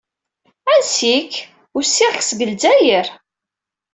Ansi-k? usiɣ seg Lezzayer.